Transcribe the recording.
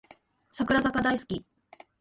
櫻坂大好き